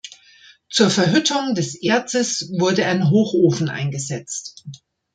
Zur Verhüttung des Erzes wurde ein Hochofen eingesetzt.